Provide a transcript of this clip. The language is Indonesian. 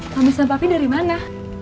mamis dan papi dari mana